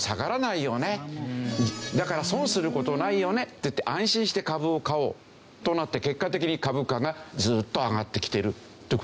だから損する事ないよねっていって安心して株を買おうとなって結果的に株価がずっと上がってきているという事なんですね。